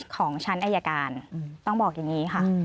ต้องบอกอย่างนี้ค่ะ